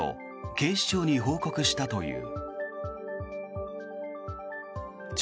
警視庁に報告したという。